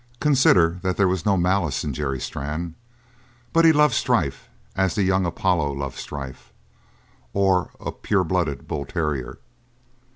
Consider that there was no malice in Jerry Strann. But he loved strife as the young Apollo loved strife or a pure blooded bull terrier.